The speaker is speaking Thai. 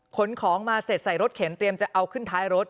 ขนของมาเสร็จใส่รถเข็นเตรียมจะเอาขึ้นท้ายรถ